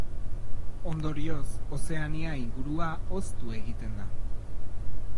Ondorioz, Ozeania ingurua hoztu egiten da.